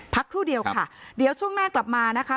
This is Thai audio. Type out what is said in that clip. ครู่เดียวค่ะเดี๋ยวช่วงหน้ากลับมานะคะ